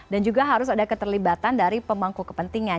dan juga harus ada keterlibatan dari pemangku kepentingan